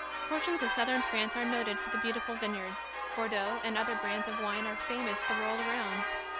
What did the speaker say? Portions of southern France are noted for the beautiful vineyards. Bordeaux and other brands of wine are famous the world around.